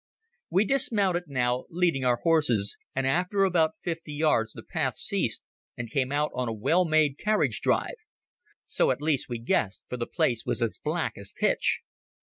We dismounted now, leading our horses, and after about fifty yards the path ceased and came out on a well made carriage drive. So, at least, we guessed, for the place was as black as pitch.